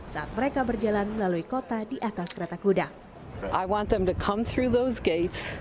saat mereka berjalan melalui kota di atas kereta kuda